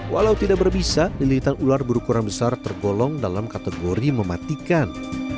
walau tidak berbisa lilitan ular berukuran besar tergolong dalam kategori mematikan